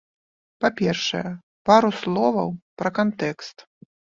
Па-першае, пару словаў пра кантэкст.